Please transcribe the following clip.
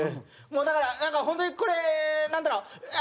もうだからホントにこれなんだろう。